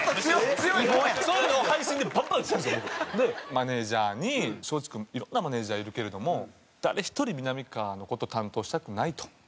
マネジャーに松竹いろんなマネジャーいるけれども誰一人みなみかわの事担当したくないと。